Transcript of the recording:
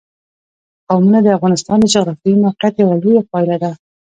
قومونه د افغانستان د جغرافیایي موقیعت یوه لویه پایله ده.